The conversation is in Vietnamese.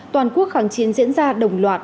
toàn quốc kháng chiến diễn ra đồng loạt